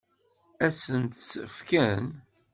Ad sent-tt-fken?